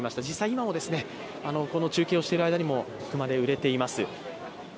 実際、今も中継をしている間にも熊手、売れています。